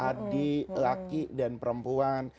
adik laki dan perempuan